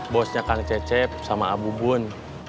bosnya kang cecep sama abu bun